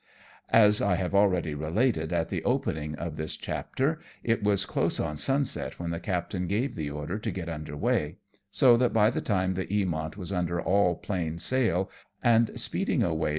As I have already related at the opening of this chapter, it was close on sunset when the captain gave the order to get under weigh, so that by the time the Eamont was under all plain sail, and speeding away PASSAGE THROUGH SADDLE ISLANDS.